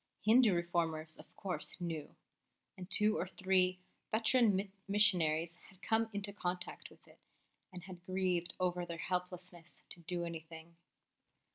Hindu Reformers, of course, knew; and two or three veteran missionaries had come into contact with it and had grieved over their helplessness to do anything.